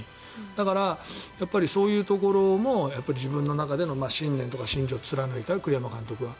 だから、そういうところも自分の中での信念とか信条を貫いた栗山監督は。